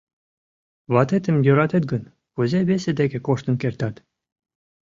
— Ватетым йӧратет гын, кузе весе деке коштын кертат?